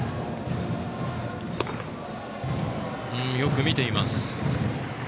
よく見ています。